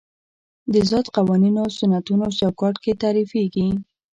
ذات قوانینو سنتونو چوکاټ کې تعریفېږي.